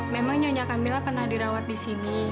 memang nyonya camilla pernah dirawat di sini